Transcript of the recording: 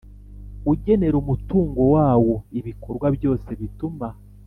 Ugenera umutungo wawo ibikorwa byose bituma